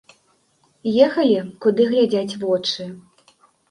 Ехалі куды глядзяць вочы.